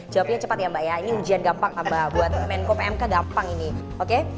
jawabnya cepat ya mbak ya ini ujian gampang buat menko pmk gampang ini oke